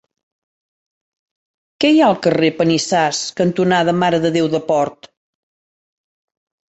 Què hi ha al carrer Panissars cantonada Mare de Déu de Port?